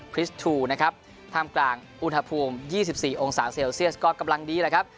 คริสต์ทูนะครับท่ามกลางอุณหภูมิยี่สิบสี่องศาเซลเซียสก็กำลังดีแล้วครับ